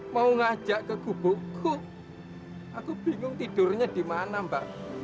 mau ngajak ke gugukku aku bingung tidurnya dimana mbak